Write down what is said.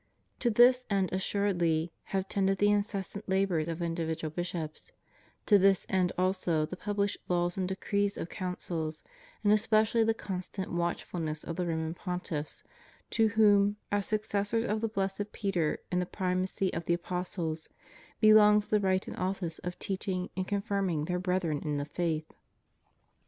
To this end assuredly have tended the incessant labors of individual bishops; to this end also the pubhshed laws and decrees of Councils, and especially the constant watch fulness of the Roman Pontiffs, to whom, as successors, of the blessed Peter in the primacy of the apostles, be longs the right and office of teaching and confirming their brethren in the faith.